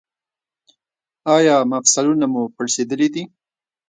ایا مفصلونه مو پړسیدلي دي؟